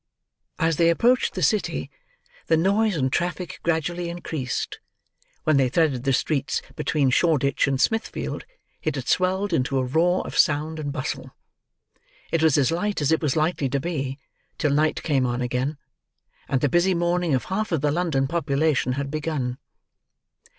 As they approached the City, the noise and traffic gradually increased; when they threaded the streets between Shoreditch and Smithfield, it had swelled into a roar of sound and bustle. It was as light as it was likely to be, till night came on again, and the busy morning of half the London population had begun.